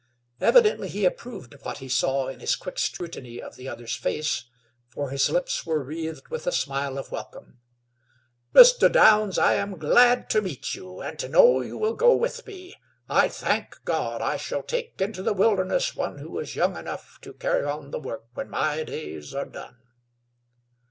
Evidently he approved of what he saw in his quick scrutiny of the other's face, for his lips were wreathed with a smile of welcome. "Mr. Downs, I am glad to meet you, and to know you will go with me. I thank God I shall take into the wilderness one who is young enough to carry on the work when my days are done."